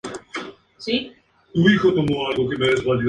Batea y lanza con la mano derecha.